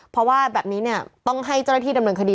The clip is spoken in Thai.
เพราะว่าแบบนี้เนี่ยต้องให้เจ้าหน้าที่ดำเนินคดี